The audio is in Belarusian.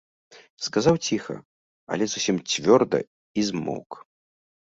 Сказаў ціха, але зусім цвёрда і змоўк.